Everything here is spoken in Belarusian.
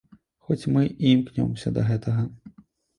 Хоць мы і імкнёмся да гэтага.